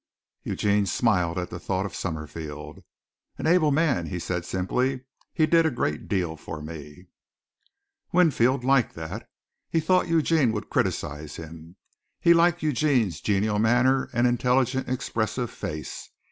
Eugene smiled at the thought of Summerfield. "An able man," he said simply. "He did a great deal for me." Winfield liked that. He thought Eugene would criticize him. He liked Eugene's genial manner and intelligent, expressive face.